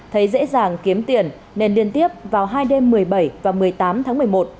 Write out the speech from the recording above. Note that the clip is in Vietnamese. thấy dễ dàng kiếm tiền nên liên tiếp vào hai đêm một mươi bảy và một mươi tám tháng một mươi một